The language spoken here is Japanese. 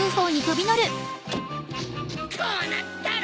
こうなったら！